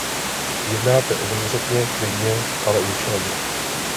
Jednáte obezřetně, klidně, ale účelně.